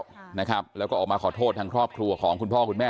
ค่ะนะครับแล้วก็ออกมาขอโทษทางครอบครัวของคุณพ่อคุณแม่